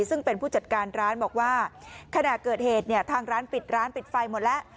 ซึ่งเป็นผู้จัดการร้านบอกว่าขณะเกิดเหตุเนี่ยทางร้านปิดร้านปิดไฟหมดแล้ว